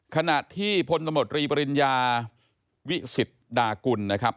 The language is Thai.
ขณะที่พลตำรวจรีบริญญาวิสิทธิ์ดากุลนะครับ